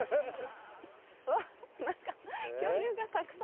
うわっ何か恐竜がたくさん。